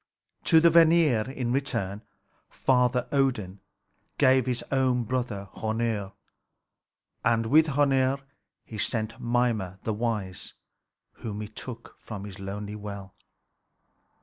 To the Vanir in return Father Odin gave his own brother Hœnir. And with Hœnir he sent Mimer the wise, whom he took from his lonely well.